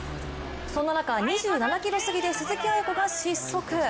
そんな中２７ｋｍすぎで鈴木亜由子が失速。